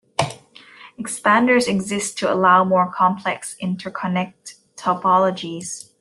Expanders exist to allow more complex interconnect topologies.